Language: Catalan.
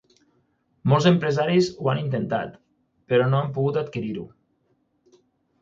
Molts empresaris ho han intentat, però no han pogut adquirir-ho.